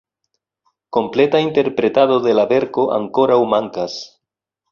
Kompleta interpretado de la verko ankoraŭ mankas!